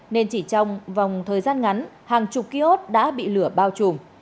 nên chỉ trong vòng thời gian ngắn hàng chục ký ốt đã bị lửa bao trùm